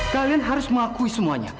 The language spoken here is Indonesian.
kalian harus mengakui semuanya